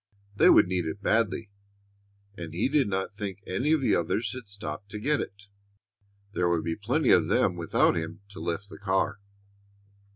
They would need it badly, and he did not think any of the others had stopped to get it. There would be plenty of them without him to lift the car.